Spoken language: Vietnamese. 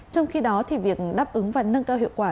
trong khi đó việc đáp ứng và nâng cao hiệu quả